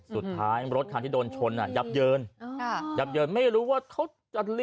สุดท้ายรถทางที่โดนชนอ่ะยับเยินอ่ายับเยินไม่รู้ว่าเขาจะ